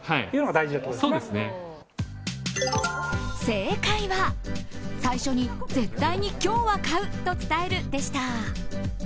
正解は、最初に絶対に今日は絶対買うと伝える、でした。